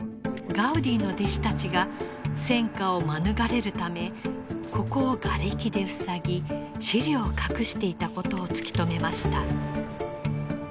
ガウディの弟子たちが戦火を免れるためここをがれきで塞ぎ資料を隠していたことを突き止めました。